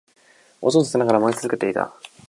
音を立てながら燃え続けていた